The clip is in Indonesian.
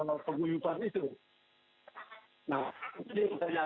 ini pertanyaan besar